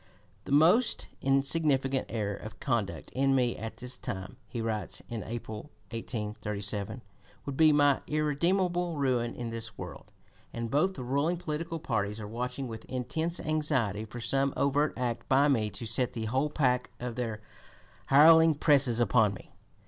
"The most insignificant error of conduct in me at this time," he writes in April, 1837, "would be my irredeemable ruin in this world; and both the ruling political parties are watching with intense anxiety for some overt act by me to set the whole pack of their hireling presses upon me."